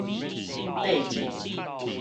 綴進